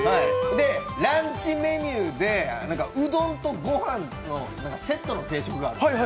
ランチメニューで、うどんとごはんのセットの定食があるんです。